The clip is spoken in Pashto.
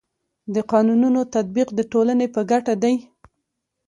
د قانونو تطبیق د ټولني په ګټه دی.